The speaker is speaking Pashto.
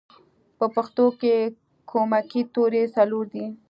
په پښتو کې کومکی توری څلور دی